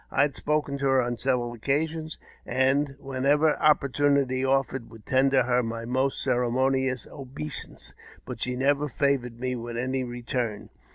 I had spoken to her on several occasions, and, whenever opportunity offered, would tender her my most ceremonious obeisance ; but shel never favoured me with any return.